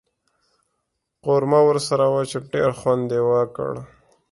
قورمه ورسره وه چې ډېر خوند یې وکړ.